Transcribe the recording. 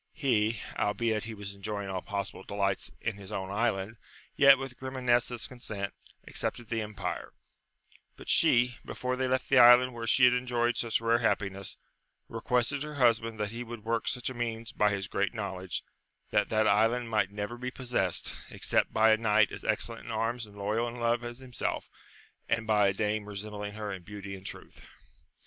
He, albeit he was enjoying all possi ble delights in his own island, yet, with Grimanesa*s consent, accepted the empire; but she, before they left the island where she had enjoyed such rare happi ness, requested her husband that he would work such a means by his great knowledge, that that island might never be possessed, except by a knight as excellent in arms and loyal in love as himself, and by a dame resembling her in beauty and truth.